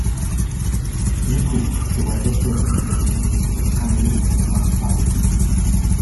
Yn y cwch dywedodd rhywun tirion ei fod yn talu dros y plant bach.